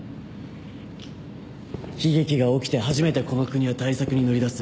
悲劇が起きて初めてこの国は対策に乗り出す